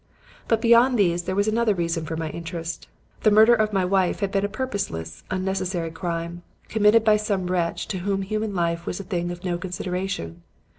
But beyond these there was another reason for my interest. The murder of my wife had been a purposeless, unnecessary crime, committed by some wretch to whom human life was a thing of no consideration.